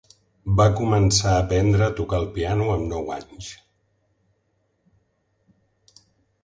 Va començar a aprendre a tocar el piano amb nou anys.